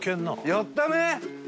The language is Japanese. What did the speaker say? やったね！